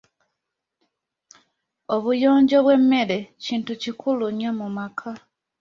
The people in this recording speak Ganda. Obuyonjo bw'emmere kintu kikulu nnyo mu maka.